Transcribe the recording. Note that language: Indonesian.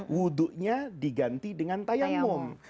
wudhunya diganti dengan tayamung